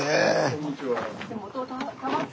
こんにちは。